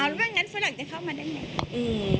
อ้าวแล้วงั้นฝรั่งจะเข้ามาได้ไหม